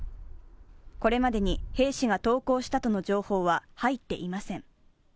これまでに兵士が投降したとの情報は入っていません。